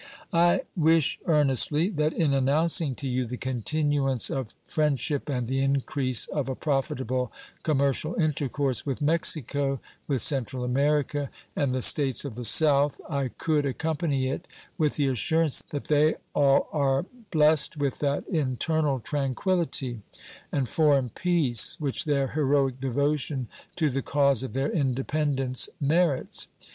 I wish earnestly that in announcing to you the continuance of friendship and the increase of a profitable commercial intercourse with Mexico, with Central America, and the States of the South I could accompany it with the assurance that they all are blessed with that internal tranquillity and foreign peace which their heroic devotion to the cause of their independence merits.